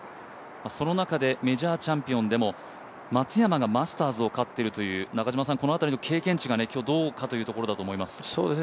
その中でメジャーチャンピオンでも、松山がマスターズを勝ってるという、この辺りの経験値が今日どうかというところだと思います。